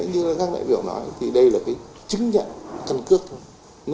như các đại biểu nói thì đây là cái chứng nhận căn cước thôi